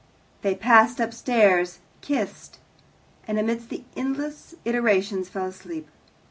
They passed upstairs, kissed, and amidst the endless iterations fell asleep.